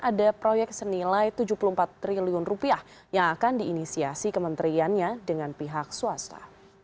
ada proyek senilai tujuh puluh empat triliun rupiah yang akan diinisiasi kementeriannya dengan pihak swasta